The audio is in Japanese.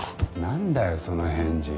なんだよその返事。